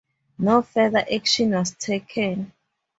No further action was taken.